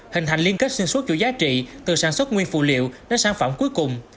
hình thành liên kết xuyên suốt chủ giá trị từ sản xuất nguyên phụ liệu đến sản phẩm cuối cùng